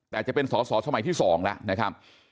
แต่จะเป็นศชมที่๒แล้วนะครับ